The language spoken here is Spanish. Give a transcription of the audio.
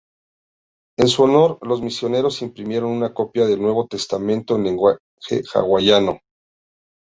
En su honor, los misioneros imprimieron una copia del Nuevo Testamento en lenguaje hawaiano.